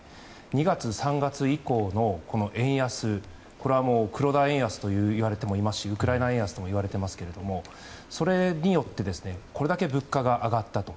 ２月、３月以降の円安これは黒田円安といわれてもおりますしウクライナ円安ともいわれていますけれどもそれによってこれだけ物価が上がったと。